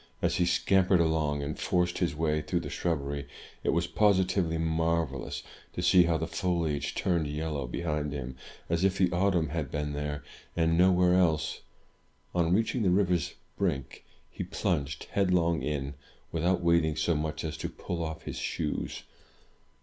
As he scamp ered along, and forced his way through the shrubbery, it was positively marvellous to see how the foliage turned yellow behind him, as if the autumn had been there, and nowhere else. On reaching the river's brink, he plunged headlong in, without wait ing so much as to pull off his shoes.